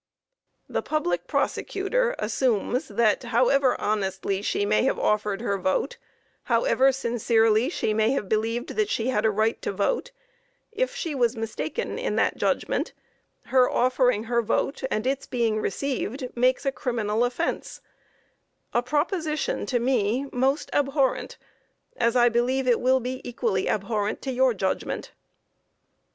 The public prosecutor assumes that, however honestly she may have offered her vote, however sincerely she may have believed that she had a right to vote, if she was mistaken in that judgment, her offering her vote and its being received makes a criminal offence a proposition to me most abhorrent, as I believe it will be equally abhorrent to your judgment.